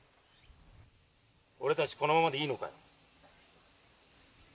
俺たちこのままでいいのかよ